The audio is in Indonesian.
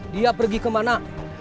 dia pergi kemana